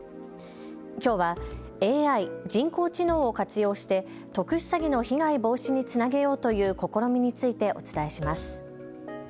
きょうはＡＩ・人工知能を活用して特殊詐欺の被害防止につなげようという試みについてお伝えします。